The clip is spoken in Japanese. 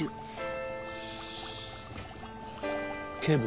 警部。